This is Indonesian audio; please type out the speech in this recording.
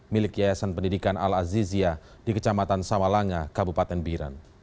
milik yayasan pendidikan al azizia di kecamatan samalanga kabupaten biren